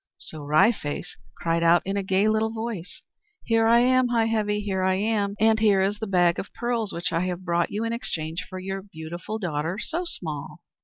So Wry Face cried out in a gay little voice, "Here I am, Heigh Heavy, here I am! And here is a bag of pearls which I have brought you in exchange for your beautiful daughter So Small!"